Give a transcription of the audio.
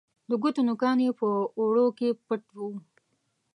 د ګوتو نوکان یې په اوړو کې پټ وه